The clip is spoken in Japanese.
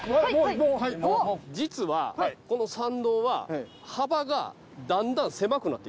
実はこの参道は幅がだんだん狭くなっていってる。